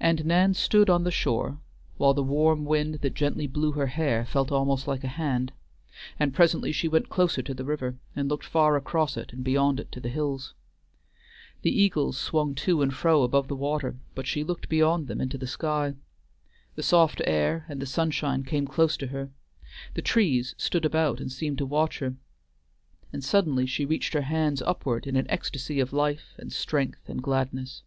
And Nan stood on the shore while the warm wind that gently blew her hair felt almost like a hand, and presently she went closer to the river, and looked far across it and beyond it to the hills. The eagles swung to and fro above the water, but she looked beyond them into the sky. The soft air and the sunshine came close to her; the trees stood about and seemed to watch her; and suddenly she reached her hands upward in an ecstasy of life and strength and gladness.